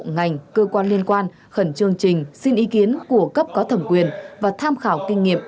ngành cơ quan liên quan khẩn trương trình xin ý kiến của cấp có thẩm quyền và tham khảo kinh nghiệm